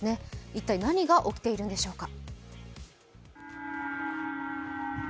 一体何が起きているんでしょうか。